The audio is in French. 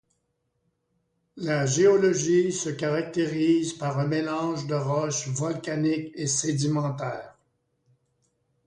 La géologie se caractérise par un mélange de roches volcaniques et sédimentaires.